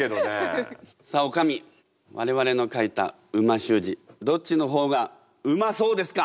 さあおかみ我々の書いた美味しゅう字どっちの方がうまそうですか？